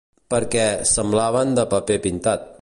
Per què, semblaven de paper pintat.